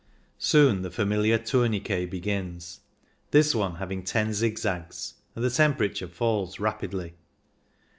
Soon the familiar tourni quet begins, this one having ten zigzags, and the temperature falls rapidly.